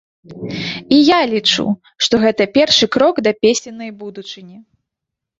І я лічу, што гэта першы крок да песеннай будучыні.